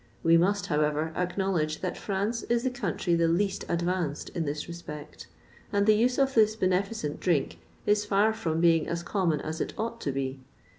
We must, however, acknowledge that France is the country the least advanced in this respect, and the use of this beneficent drink is far from being as common as it ought to be.